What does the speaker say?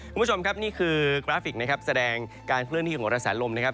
คุณผู้ชมครับนี่คือกราฟิกนะครับแสดงการเคลื่อนที่ของกระแสลมนะครับ